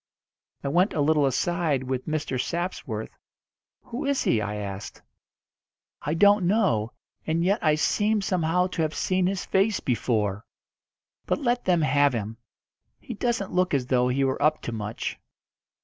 I went a little aside with Mr. Sapsworth. "Who is he?" I asked. "I don't know, and yet I seem somehow to have seen his face before. But let them have him. He doesn't look as though he were up to much."